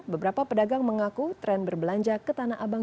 beberapa pedagang mengaku tren berbelanja ke tanah abang